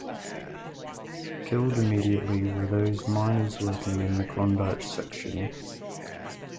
Killed immediately were those miners working in the Klondike section.